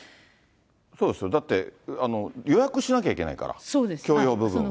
そうですよ、だって、予約しなきゃいけないから、共用部分を。